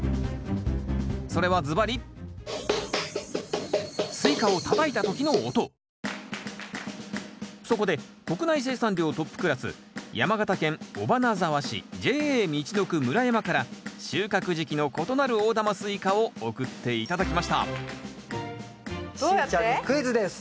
それはずばりそこで国内生産量トップクラス山形県尾花沢市ＪＡみちのく村山から収穫時期の異なる大玉スイカを送って頂きましたしーちゃんにクイズです。